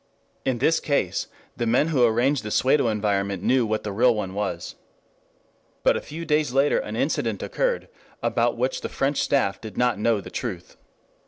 In this case the men who arranged the pseudo environment knew what the real one was. But a few days later an incident occurred about which the French Staff did not know the truth.